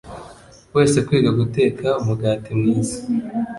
wese kwiga guteka umugati mwiza,